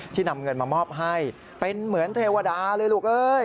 นำเงินมามอบให้เป็นเหมือนเทวดาเลยลูกเอ้ย